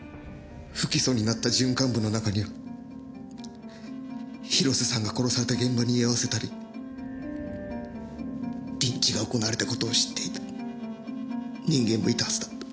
不起訴になった準幹部の中には広瀬さんが殺された現場に居合わせたりリンチが行われた事を知っていた人間もいたはずだって。